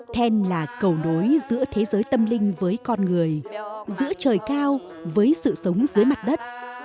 then là cầu nối giữa thế giới tâm linh với con người giữa trời cao với sự sống dưới mặt đất